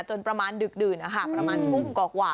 จนประมาณดึกดื่นนะคะประมาณกุ้งกอกหว่า